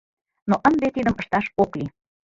Но ынде тидым ышташ ок лий.